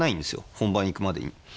本番いくまでに。